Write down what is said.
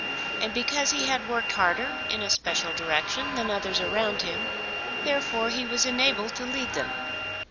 And because he had worked harder in a special direction than others around him, therefore he was enabled to lead them.